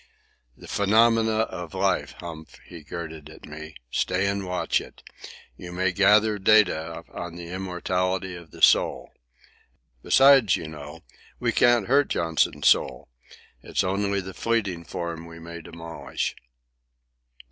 "The phenomena of life, Hump," he girded at me. "Stay and watch it. You may gather data on the immortality of the soul. Besides, you know, we can't hurt Johnson's soul. It's only the fleeting form we may demolish."